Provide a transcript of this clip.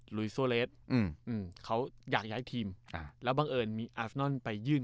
หลุยโซเลสอืมอืมเขาอยากย้ายทีมอ่าแล้วบังเอิญมีไปยื่น